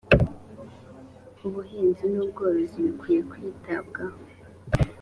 ubuhinzi n’ubworozi bikwiye kwitabwaho